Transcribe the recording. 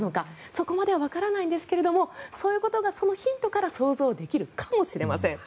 そこまではわからないんですがそういうことがそのヒントから想像できるかもしれません。